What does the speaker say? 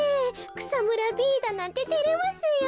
くさむらＢだなんててれますよ。